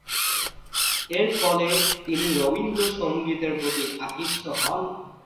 এরফলে তিনি রবীন্দ্রসঙ্গীতের প্রতি আকৃষ্ট হন।